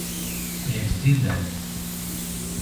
Prieks dzirdēt.